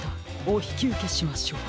おひきうけしましょう。